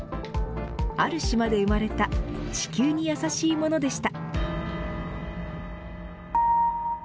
ある島で生まれた地形にやさしいものでした。